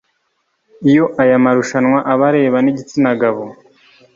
Iyo aya marushanwa aba areba n'igitsinagabo